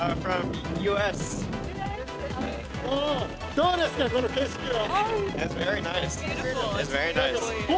どうですか、この景色は？